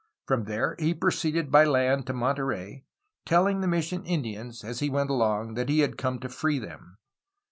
From there he proceeded by land to Monterey, telling the mission Indians, as he went along, that he had come to free them.